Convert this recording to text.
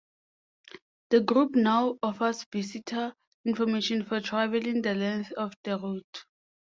The group now offers visitor information for traveling the length of the road.